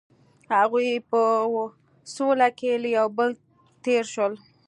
هغوی په سوله کې له یو بل تیر شول.